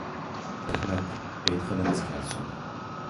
رەھمەت، ئېيتقىنىڭىز كەلسۇن.